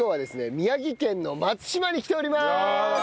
宮城県の松島に来ております！